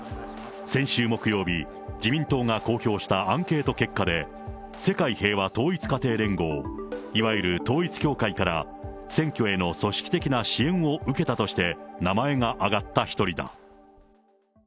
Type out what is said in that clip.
先週木曜日、自民党が公表したアンケート結果で、世界平和統一家庭連合、いわゆる統一教会から、選挙への組織的な支援を受けたとして名前が挙がった一人だ。